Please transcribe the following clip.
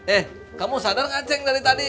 eh kamu sadar gak ceng dari tadi